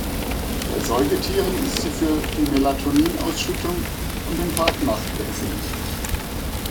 Bei Säugetieren ist sie für die Melatonin-Ausschüttung und den Tag-Nacht-Wechsel wichtig.